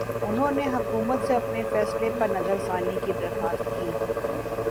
نہوں نے حکومت سے اپنے فیصلے پرنظرثانی کی درخواست کی